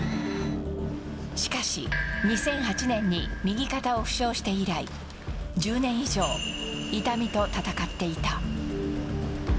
しかし、２００８年に右肩を負傷して以来１０年以上、痛みと闘っていた。